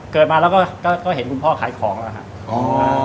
เกิดมาแล้วก็เห็นคุณพ่อขายของแล้วครับ